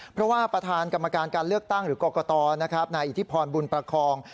เพราะว่าประธานกรรมการการเลือกตั้งหรือกรกตนะครับนายอิทธิพรบุญประคอง